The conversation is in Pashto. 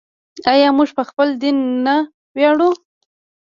آیا موږ په خپل دین نه ویاړو؟